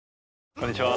こんにちは。